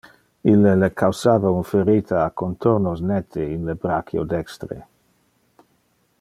Ille le causava un ferita a contornos nette in le brachio dextre.